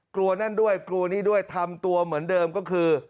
กลัวนั่นด้วยกลัวนี่ด้วยทำตัวเหมือนเดิมก็คือ